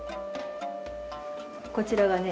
こちらがね